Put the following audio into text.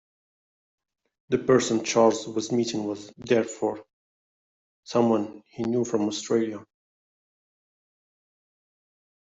The person Charles was meeting was, therefore, someone he knew from Australia.